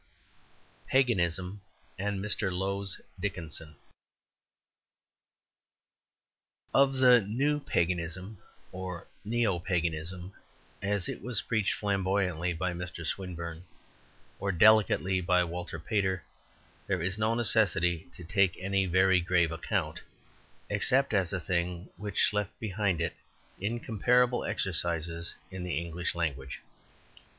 XII Paganism and Mr. Lowes Dickinson Of the New Paganism (or neo Paganism), as it was preached flamboyantly by Mr. Swinburne or delicately by Walter Pater, there is no necessity to take any very grave account, except as a thing which left behind it incomparable exercises in the English language.